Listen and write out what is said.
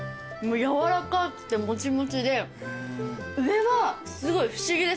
柔らかくてモチモチで上はすごい不思議です。